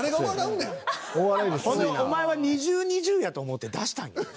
ほんでお前は２０：２０やと思って出したんやろ？